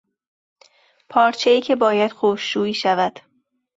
پارچهای که باید خشک شویی شود.